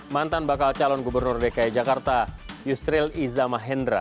mantan bakal calon gubernur dki jakarta yusril izzamahendra